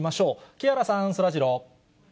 木原さん、そらジロー。